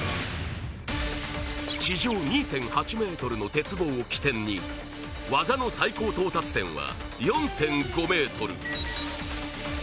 地上２．８ｍの鉄棒を起点に技の到達点は４．５ｍ。